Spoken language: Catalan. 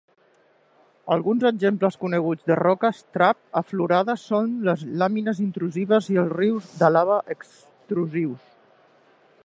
Alguns exemples coneguts de roques trap aflorades són les làmines intrusives i els rius de lava extrusius.